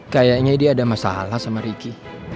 kayaknya dia ada masalah sama ricky